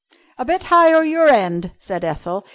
"A bit higher your end," said Ethel.